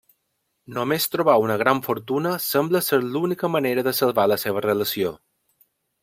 Només trobar una gran fortuna sembla ser l'única manera de salvar la seva relació.